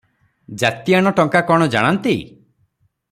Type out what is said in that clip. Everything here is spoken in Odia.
ଜାତିଆଣ ଟଙ୍କା କଣ ଜାଣନ୍ତି?